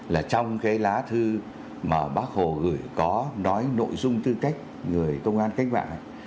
là trong cái lá thư mà bác hồ gửi có nói nội dung tư cách người công an cách mạng